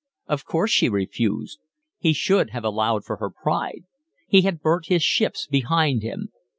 Of course she refused. He should have allowed for her pride. He had burnt his ships behind him.